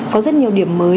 có rất nhiều điểm mới